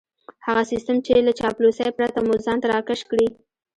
هغه سيستم چې له چاپلوسۍ پرته مو ځان ته راکش کړي.